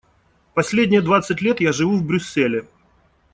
Последние двадцать лет я живу в Брюсселе.